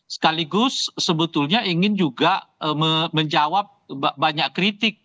sekaligus sebetulnya ingin juga menjawab banyak kritik